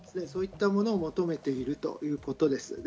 そういったものを求めているということです。